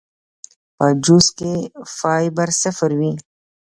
پۀ جوس کښې فائبر صفر وي